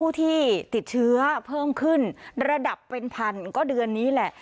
ผู้ที่ติดเชื้อเพิ่มขึ้นระดับเป็นพันก็เดือนนี้แหละ